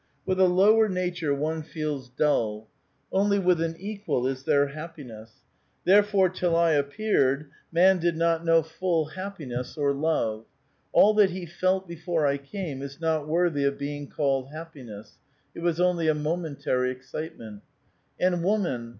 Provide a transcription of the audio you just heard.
With a lower nature one feels dull ; only with an equal is there hap piness. Therefore, till I appeared, man did not know full A VITAL QUESTION. 377 happiness or love. All that he felt before T came is not worthy of being called happiness ; it was only a momentary excitement. And" woman